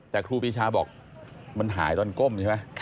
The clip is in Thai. แต่ครูปีชาบอกมันหายตอนก้มใช่ไหม